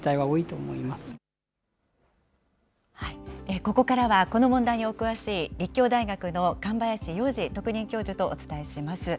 ここからは、この問題にお詳しい、立教大学の上林陽治特任教授とお伝えします。